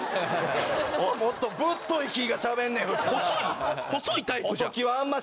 もっとぶっとい木がしゃべんねん、普通は。